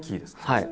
はい。